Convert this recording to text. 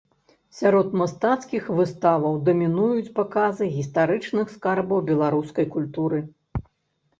Сярод мастацкіх выставаў дамінуюць паказы гістарычных скарбаў беларускай культуры.